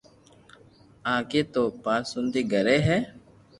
اگي تو پآݾونئي گھڙي ھي